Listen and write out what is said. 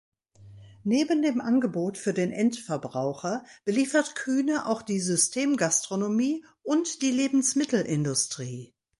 Neben dem Angebot für den Endverbraucher beliefert Kühne auch die Systemgastronomie und die Lebensmittelindustrie.